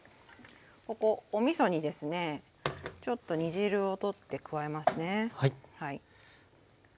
ここおみそにですねちょっと煮汁を取って加えますね。